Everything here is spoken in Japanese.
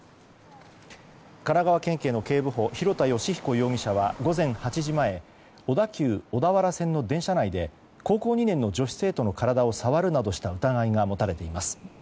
神奈川県警の警部補廣田純彦容疑者は午前８時前小田急小田原線の電車内で高校２年の女子生徒の体を触るなどした疑いが持たれています。